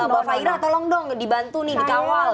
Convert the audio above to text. pak faira tolong dong dibantu nih dikawal gitu